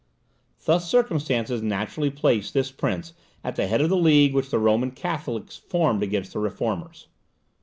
Thus, circumstances naturally placed this prince at the head of the league which the Roman Catholics formed against the Reformers.